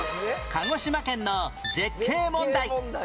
鹿児島県の絶景問題